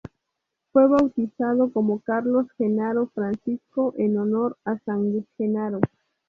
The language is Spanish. Fue bautizado como Carlos Genaro Francisco, en honor a San Genaro.